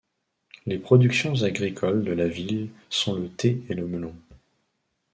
Les productions agricoles de la ville sont le thé et le melon.